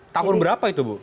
tahun berapa itu bu